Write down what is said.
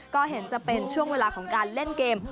ก็เห็นจะเป็นช่วงเวลาของการเล่นเกม